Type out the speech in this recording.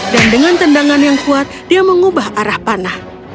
dan dengan tendangan yang kuat dia mengubah arah panah